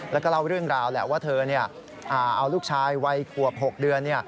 แล้วก็เล่าเรื่องราวแหละว่าเธอเอาลูกชายวัยขวบ๖เดือน